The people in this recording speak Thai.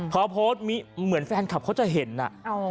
พอโพสต์เหมือนแฟนคลับเขาจะเห็นน่ะ